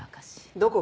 どこが？